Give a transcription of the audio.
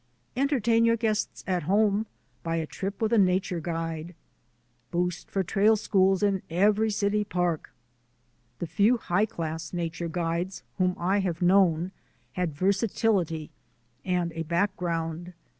Entertain your guests at home by a trip with a nature guide. Boost for trail schools in every city park. The few high class nature guides whom I have known had versatility and a background.